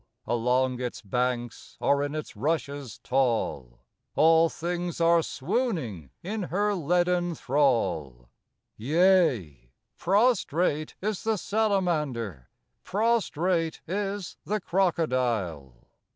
Along its banks or in its rushes tall, All things are swooning in her leaden thrall,— Yea, prostrate is the salamander, prostrate is the crocodile.